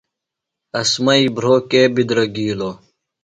عاصمئی بھرو کے بِدرگِیلوۡ؟